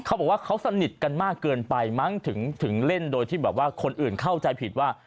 เขาบอกว่าเขาสนิทกันมากเกินไปมั้งถึงเล่นโดยที่แบบว่าคนอื่นเข้าใจผิดว่า